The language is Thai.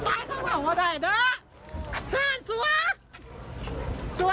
ป่าไหวเดินไว้ด้วงอายุ